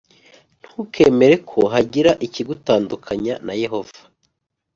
Ntukemere ko hagira ikigutandukanya na yehova